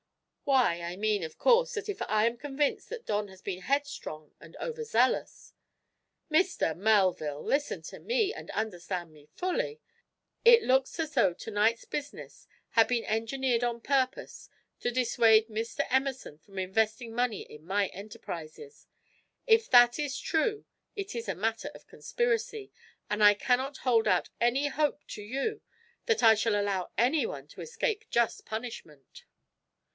"Why, I mean, of course, that, if I am convinced that Don has been headstrong and over zealous " "Mr. Melville, listen to me, and understand me fully. It looks as though to night's business had been engineered on purpose to dissuade Mr. Emerson from investing money in my enterprises. If that is true, it is a matter of conspiracy, and I cannot hold out any hope to you that I shall allow anyone to escape just punishment."